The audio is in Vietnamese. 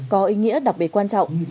có ý nghĩa đặc biệt quan trọng